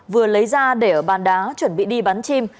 vừa lấy ra để ở bàn đá chuẩn bị đi bắn chim